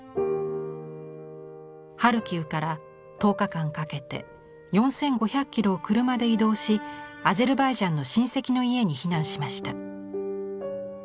ハルキウから１０日間かけて４５００キロを車で移動しアゼルバイジャンの親戚の家に避難しました。